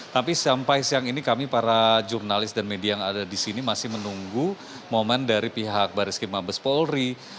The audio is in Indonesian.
tapi sampai siang ini kami para jurnalis dan media yang ada di sini masih menunggu momen dari pihak baris krim mabes polri